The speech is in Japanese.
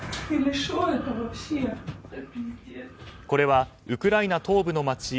これはウクライナ東部の街